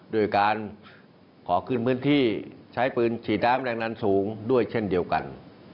ด้วยการขอคืนพื้นที่ใช้ปืนฉีดน้ำแรงดันสูงด้วยเช่นเดียวกัน